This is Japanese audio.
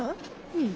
うん。